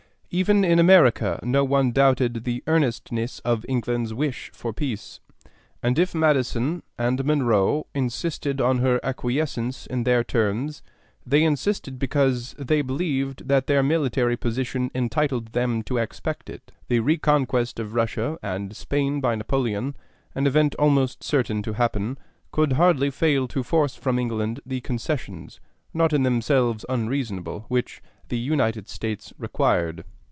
Even in America no one doubted the earnestness of England's wish for peace; and if Madison and Monroe insisted on her acquiescence in their terms, they insisted because they believed that their military position entitled them to expect it. The reconquest of Russia and Spain by Napoleon, an event almost certain to happen, could hardly fail to force from England the concessions, not in themselves unreasonable, which the United States required.